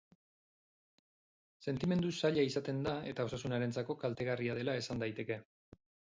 Sentimendu zaila izaten da eta osasunarentzako kaltegarria dela esan daiteke.